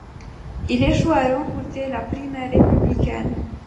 Il échoue à remporter la primaire républicaine.